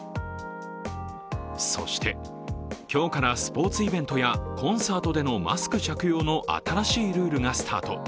そして、今日からスポーツイベントやコンサートでのマスク着用の新しいルールがスタート。